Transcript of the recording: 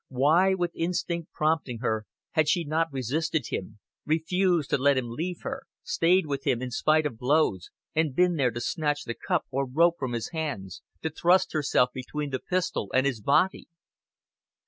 Why, with instinct prompting her, had she not resisted him, refused to let him leave her, stayed with him in spite of blows, and been there to snatch the cup or the rope from his hands, to thrust herself between the pistol and his body?